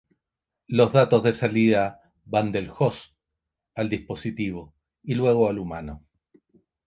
Los datos de salida van del "host" al dispositivo y luego al humano.